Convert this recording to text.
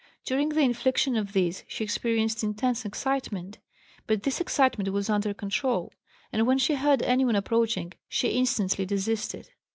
During the infliction of these she experienced intense excitement, but this excitement was under control, and when she heard anyone approaching she instantly desisted.